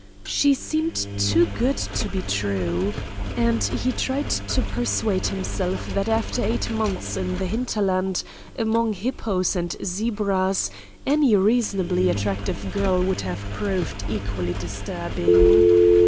She seemed too good to be true. And he tried to persuade himself that after eight months in the hinterland among hippos and zebras any reasonably attractive girl would have proved equally disturbing.